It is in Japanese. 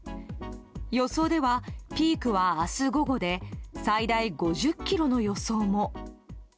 予想ではピークは明日午後で最大５０ｋｍの予想も。